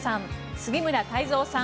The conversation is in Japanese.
杉村太蔵さん